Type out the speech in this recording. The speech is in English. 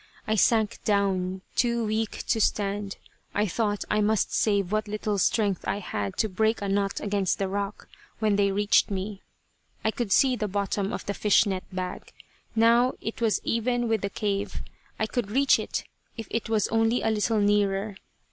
I sank down, too weak to stand. I thought I must save what little strength I had to break a nut against the rock, when they reached me. I could see the bottom of the fish net bag. Now it was even with the cave. I could reach it if it was only a little nearer.